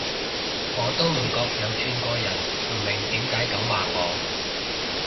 我都唔覺有串過人，唔明點解噉話我